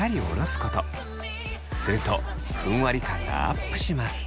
するとふんわり感がアップします。